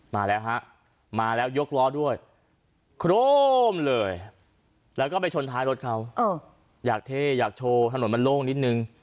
มาแล้วฮะมาแล้วยกล้อด้วยโครมเลยแล้วก็ไปชนท้ายรถเขาอยากเท่อยากโชว์ถนนมันโล่งนิดนึง